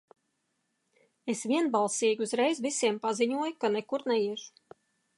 Es vienbalsīgi uzreiz visiem paziņoju, ka nekur neiešu.